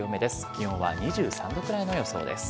気温は２３度くらいの予想です。